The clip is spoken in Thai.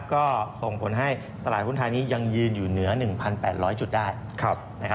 ก็ส่งผลให้ตลาดหุ้นไทยนี้ยังยืนอยู่เหนือ๑๘๐๐จุดได้